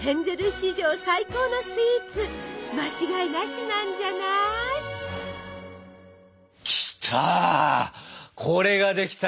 史上最高のスイーツ間違いなしなんじゃない！きた！